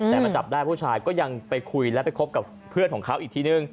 แต่มาจับได้ผู้ชายก็ยังไปคุยแล้วไปคบกับเพื่อนของเขาอีกทีนึง